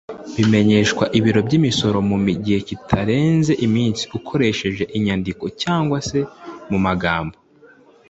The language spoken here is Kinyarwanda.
bimenyeshwa ibiro by’imisoro mu gihe kitarenze iminsi, ukoresheje inyandiko cg se mu magambo